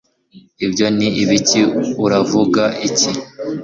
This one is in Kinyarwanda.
Ibyo ni ibiki Uravuga iki